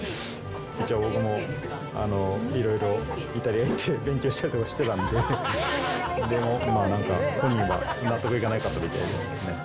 じゃあ僕も、いろいろ、イタリア行って勉強したりとかしてたんで、でも、なんか本人は納得いかなかったみたいですね。